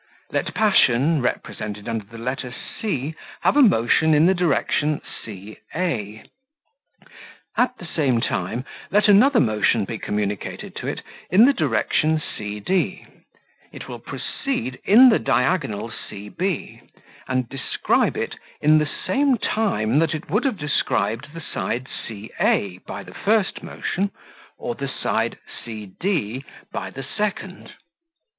Let passion, represented under the letter c, have a motion in the direction c a. At the same time, let another motion be communicated to it, in the direction c d, it will proceed in the diagonal c b, and describe it in the same time that it would have described the side c a, by the first motion, or the side, c d, by the second.